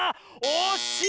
おっしい！